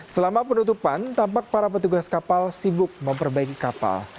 selama penutupan tampak para petugas kapal sibuk memperbaiki kapal